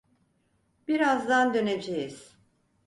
Birazdan döneceğiz.